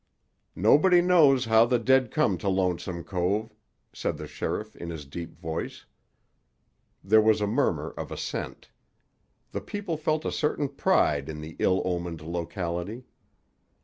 "Nobody knows how the dead come to Lonesome Cove," said the sheriff in his deep voice. There was a murmur of assent. The people felt a certain pride in the ill omened locality.